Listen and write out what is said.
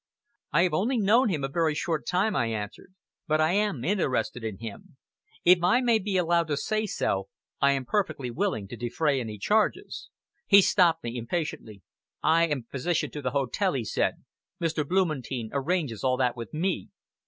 "I have only known him a very short time," I answered, "but I am interested in him. If I may be allowed to say so, I am perfectly willing to defray any charges " He stopped me impatiently. "I am physician to the hotel," he said, "Mr. Blumentein arranges all that with me!"